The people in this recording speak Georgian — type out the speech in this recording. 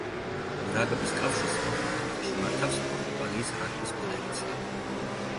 რაგბის კავშირს პორტუგალიაში მართავს პორტუგალიის რაგბის ფედერაცია.